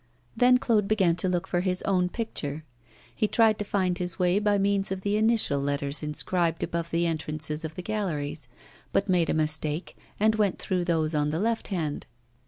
Then Claude began to look for his own picture. He tried to find his way by means of the initial letters inscribed above the entrances of the galleries, but made a mistake, and went through those on the left hand.